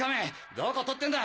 どこ撮ってんだ！